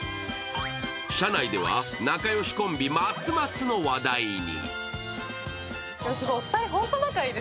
車内では仲よしコンビ・松松の話題に。